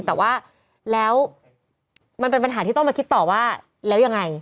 แต่ว่าแล้วมันเป็นปัญหาที่ต้องมาคิดต่อว่าแล้วยังไง